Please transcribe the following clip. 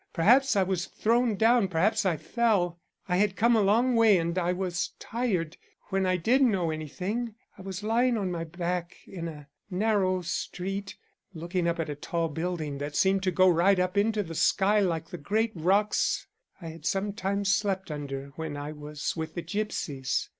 Perhaps I was thrown down, perhaps I fell. I had come a long way and I was tired. When I did know anything, I was lying on my back in a narrow street, looking up at a tall building that seemed to go right up into the sky like the great rocks I had sometimes slept under when I was with the gipsies.